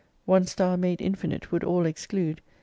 One star made infinite would all exclude.